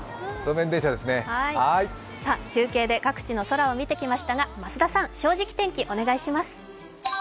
中継で各地の空を見てきましたが、増田さん、「正直天気」お願いします